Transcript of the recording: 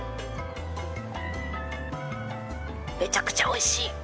めちゃくちゃおいしい。